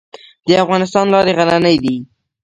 د افغانستان لارې غرنۍ دي